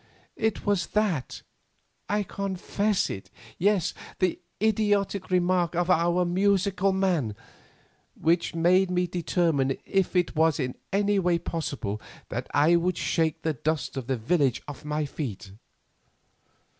It was that, I confess it—yes, the idiotic remark of 'Our Musical Man,' which made me determine if it was in any way possible that I would shake the dust of this village off my feet.